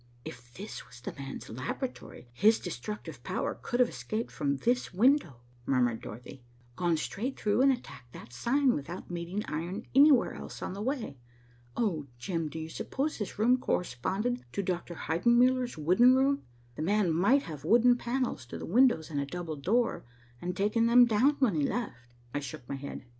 "If this was the man's laboratory, his destructive power could have escaped from this window," murmured Dorothy, "gone straight through, and attacked that sign, without meeting iron anywhere else on the way. Oh, Jim, do you suppose this room corresponded to Dr. Heidenmuller's wooden room? The man might have wooden panels to the windows and a double door, and taken them down when he left." I shook my head.